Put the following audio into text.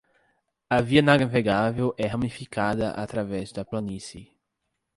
A via navegável é ramificada através da planície.